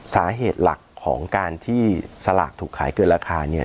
สาเหตุหลักของการที่สลากถูกขายเกินราคาเนี่ย